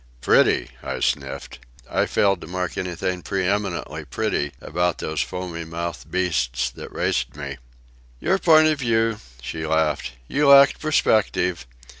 "Pretty!" I sniffed. "I failed to mark anything pre eminently pretty about those foamy mouthed beasts that raced me." "Your point of view," she laughed. "You lacked perspective.